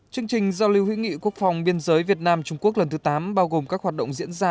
chương trình giao lưu hữu nghị quốc phòng biên giới việt nam trung quốc lần thứ tám bao gồm các hoạt động diễn ra